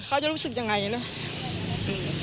เค้าจะรู้สึกยังไงอ่ะอืม